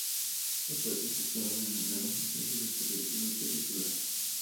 Ha participado en numerosas series de televisión y películas.